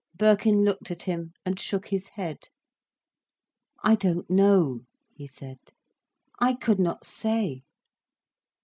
Birkin looked at him, and shook his head. "I don't know," he said. "I could not say."